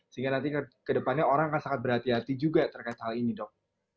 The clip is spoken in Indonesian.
sehingga nanti ke depannya orang akan sangat berhati hati juga terkait hal ini dok